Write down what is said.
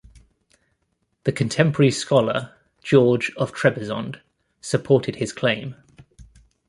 The contemporary scholar George of Trebizond supported his claim.